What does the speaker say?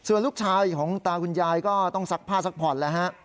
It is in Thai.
ส่วนลูกชายของตาคุณยายก็ต้องซักผ้าซักผ่อนแล้วฮะ